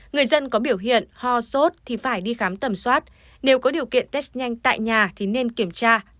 người dân có biểu hiện ho sốt thì phải đi khám tẩm soát nếu có điều kiện test nhanh tại nhà thì nên kiểm tra